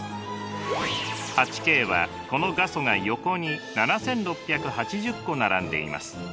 ８Ｋはこの画素が横に７，６８０個並んでいます。